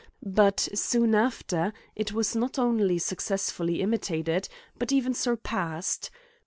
I§9 but, soon after, it Was not only successfully im itate d, but even surpassed.